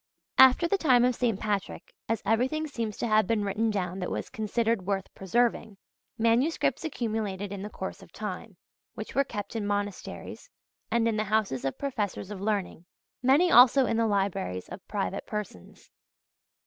After the time of St. Patrick, as everything seems to have been written down that was considered worth preserving, Manuscripts accumulated in the course of time, which were kept in monasteries and in the houses of professors of learning: many also in the libraries of private persons.